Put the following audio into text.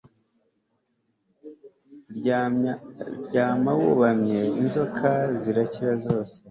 ryama wubamye inzoka zirakira zose